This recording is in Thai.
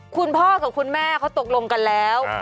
คุณพ่อกับคุณแม่เขาตกลงกันแล้ว